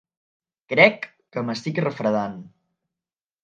Crec que m'estic refredant.